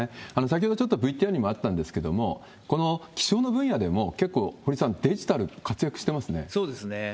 先ほどちょっとＶＴＲにもあったんですけれども、この気象の分野でも結構、堀さん、そうですね。